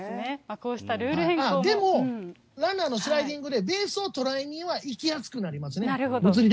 こうしたルでも、ランナーのスライディングでベースを捉えにはいきやすくなりますね。